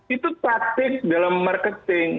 itu praktik dalam marketing